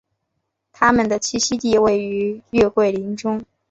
它们的栖息地位于月桂林中。